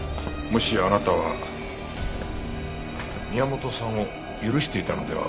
もしやあなたは宮本さんを許していたのでは？